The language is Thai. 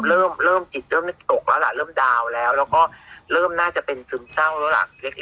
เริ่มเริ่มจิตเริ่มตกแล้วล่ะเริ่มดาวน์แล้วแล้วก็เริ่มน่าจะเป็นซึมเศร้าแล้วล่ะเล็ก